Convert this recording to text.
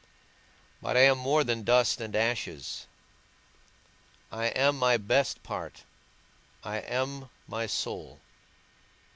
But I am more than dust and ashes: I am my best part, I am my soul.